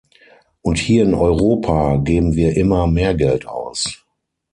Und hier in Europa geben wir immer mehr Geld aus!